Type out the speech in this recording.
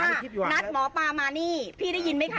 นัดหมอปลามานี่พี่ได้ยินไหมคะ